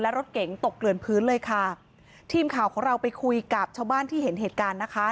รถเก๋งตกเกลือนพื้นเลยค่ะทีมข่าวของเราไปคุยกับชาวบ้านที่เห็นเหตุการณ์นะคะ